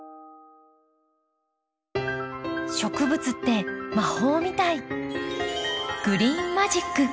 植物って魔法みたい。